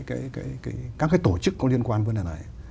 các cái tổ chức có liên quan vấn đề này